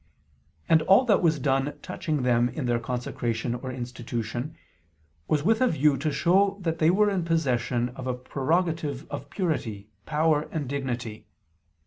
And all that was done touching them in their consecration or institution, was with a view to show that they were in possession of a prerogative of purity, power and dignity.